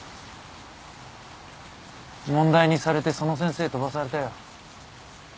問題にされてその先生飛ばされたよ。